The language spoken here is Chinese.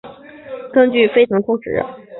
这个我们证据都非常充分呀。